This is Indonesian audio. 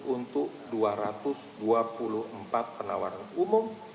untuk dua ratus dua puluh empat penawaran umum